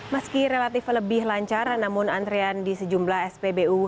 meski relatif lebih lancar namun antrean di sejumlah spbu